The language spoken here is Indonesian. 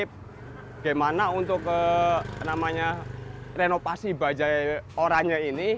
bagaimana untuk renovasi bajai oranye ini